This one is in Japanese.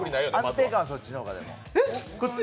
安定感はそっちの方が。